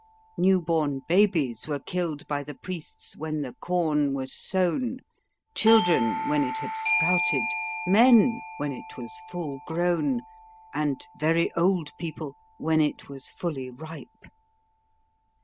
New born babies were killed by the priests when the corn was sown; children when it had sprouted; men when it was full grown; and very old people when it was fully ripe."